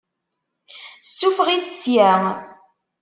Ssufeɣ-itt ssya!